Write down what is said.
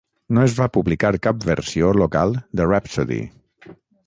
No es va publicar cap versió local de Rhapsody.